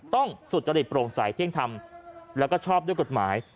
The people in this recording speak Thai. ต้องสุจริตโปรงสายเที่ยงธรรมและก็ชอบด้วยกฎหมาย